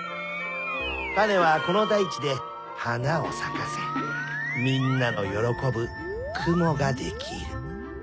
タネはこのだいちではなをさかせみんなのよろこぶくもができる。